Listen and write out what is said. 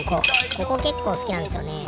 ここけっこうすきなんですよね。